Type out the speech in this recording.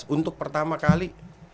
untuk pertama kali